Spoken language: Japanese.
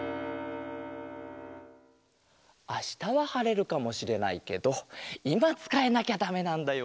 あしたははれるかもしれないけどいまつかえなきゃだめなんだよ